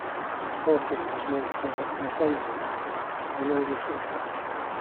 Lawton was named for Nathaniel Lawton, an early settler.